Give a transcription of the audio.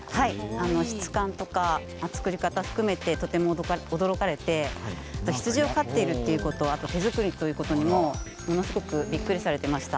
質感とか作り方含めてとても驚かれて羊を飼っているということ手作りということにもものすごくびっくりされていました。